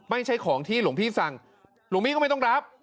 ไม่ใช่ของที่หลวงพี่สั่งหลวงพี่ก็ไม่ต้องรับ